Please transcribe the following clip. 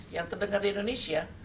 yang terdengar di indonesia